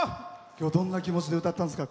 今日、どんな気持ちで歌ったんですか？